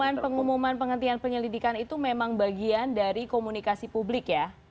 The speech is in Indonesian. jadi pengumuman penghentian penyelidikan itu memang bagian dari komunikasi publik ya